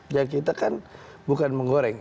ya kita kan bukan menggoreng